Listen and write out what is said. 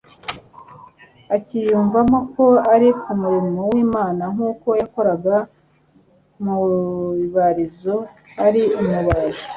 akiyumvamo ko ari ku murimo w'Imana nk'uko yakoraga mu ibarizo ari umubaji,